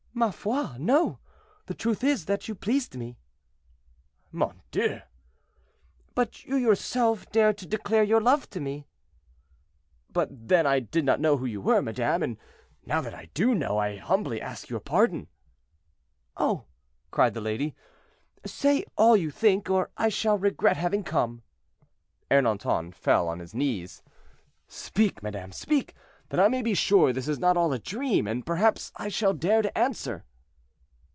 "Ma foi! no. The truth is, that you pleased me." "Mon Dieu!" "But you yourself dared to declare your love to me." "But then I did not know who you were, madame; and now that I do know, I humbly ask your pardon." "Oh!" cried the lady, "say all you think, or I shall regret having come." Ernanton fell on his knees. "Speak, madame, speak, that I may be sure this is not all a dream, and perhaps I shall dare to answer."